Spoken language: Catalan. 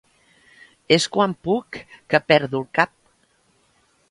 És quan puc que perdo el cap.